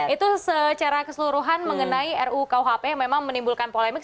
itu secara keseluruhan mengenai rukuhp yang memang menimbulkan polemik